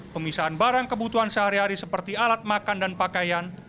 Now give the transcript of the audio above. pemisahan barang kebutuhan sehari hari seperti alat makan dan pakaian